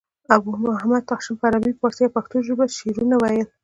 ابو محمد هاشم په عربي، پاړسي او پښتو ژبه شعرونه ویل.